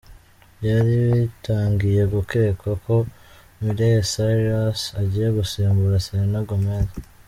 Byari bitangiye gukekwa ko Miley Cyrus agiye gusimbura Serena Gomez